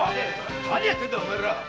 何やってんだお前ら！